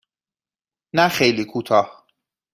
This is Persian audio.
نه خیلی کوتاه.